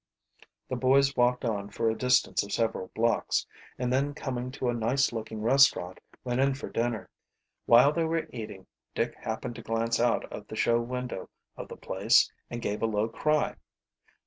The boys walked on for a distance of several blocks, and then coming to a nice looking restaurant went in for dinner. While they were eating Dick happened to glance out of the show window of the place and gave a low cry.